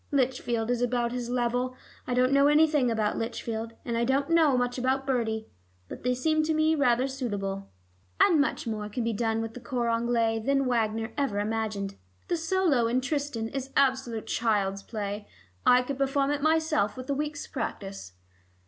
Lichfield is about his level. I don't know anything about Lichfield, and I don't know much about Bertie. But they seem to me rather suitable. And much more can be done with the cor anglais than Wagner ever imagined. The solo in Tristan is absolute child's play. I could perform it myself with a week's practice."